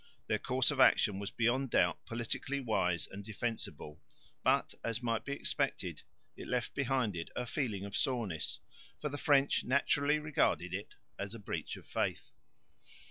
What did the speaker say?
Their course of action was beyond doubt politically wise and defensible, but, as might be expected, it left behind it a feeling of soreness, for the French naturally regarded it as a breach of faith.